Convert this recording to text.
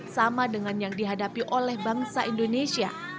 sama dengan yang dihadapi oleh bangsa indonesia